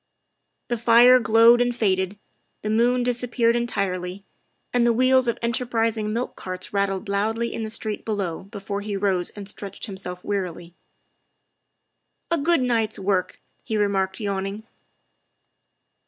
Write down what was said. The fire glowed and faded, the moon disappeared en tirely, and the wheels of enterprising milk carts rat tled loudly in the street below before he rose and stretched himself wearily. "A good night's work," he remarked, yawning.